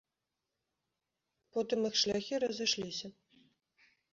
Потым іх шляхі разышліся.